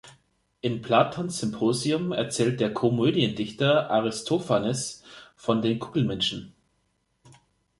In Platons Symposion erzählt der Komödiendichter Aristophanes von den Kugelmenschen.